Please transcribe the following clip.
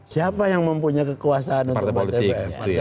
siapa yang mempunyai kekuasaan untuk tpf